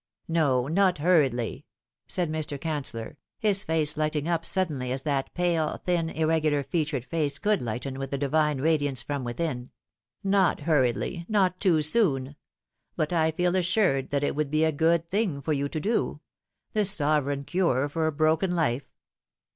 " No, not hurriedly," said Mr. Canceller, his face lighting up suddenly as that pale, thin, irregular featured face could lighten with the divine radiance from within ;" not hurriedly, not too Boon ; but I feel assured that it would be a good thing for you to do the sovereign cure for a broken life.